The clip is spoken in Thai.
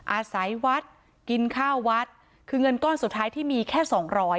อาศัยวัดกินข้าววัดคือเงินก้อนสุดท้ายที่มีแค่สองร้อย